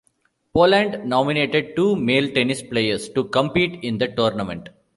Poland nominated two male tennis players to compete in the tournament.